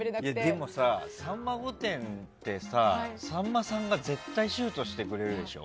でもさ「さんま御殿！！」ってさんまさんが絶対にシュートしてくれるでしょ？